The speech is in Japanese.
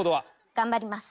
頑張ります。